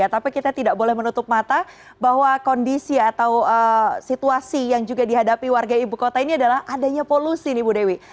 tapi kita tidak boleh menutup mata bahwa kondisi atau situasi yang juga dihadapi warga ibu kota ini adalah adanya polusi nih bu dewi